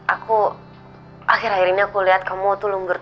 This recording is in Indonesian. aku akhir akhir ini aku lihat kamu tuh lungger